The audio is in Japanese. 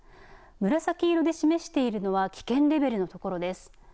紫色で示しているのは危険レベルのところです。